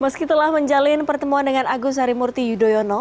meskitalah menjalin pertemuan dengan agus harimurti yudhoyono